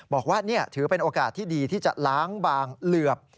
บอกว่านี่ถือเป็นโอกาสที่ดีที่จะล้างบางเหลือบ